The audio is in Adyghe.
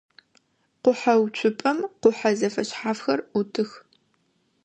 Къухьэуцупӏэм къухьэ зэфэшъхьафхэр ӏутых.